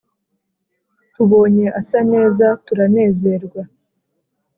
Tubonye asa neza turanezerwa